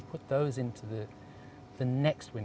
apa yang kita lakukan